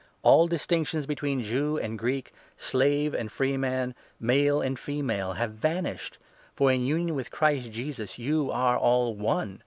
All distinctions between Jew and Greek, slave and 28 freeman, male and female, have vanished ; for in union with Christ Jesus you are all one.